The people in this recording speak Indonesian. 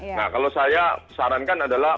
nah kalau saya sarankan adalah